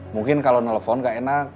mungkin kalau nelfon gak enak